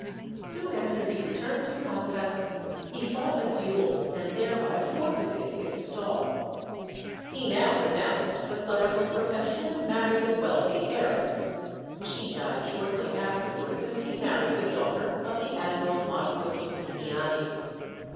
Soon after he returned to Patras he fought a duel, and thereby forfeited his stall. He now renounced the clerical profession, and married a wealthy heiress. She died shortly afterwards, and he married the daughter of the Admiral Marco Giustiniani.